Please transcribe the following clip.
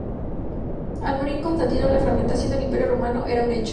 Al morir Constantino, la fragmentación del Imperio Romano era un hecho.